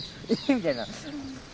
みたいな。